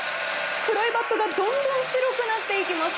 黒いバットがどんどん白くなっていきます。